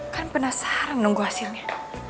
kan penasaran nunggu hasilnya